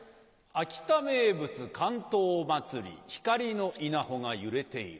秋田名物竿燈まつり光の稲穂が揺れている。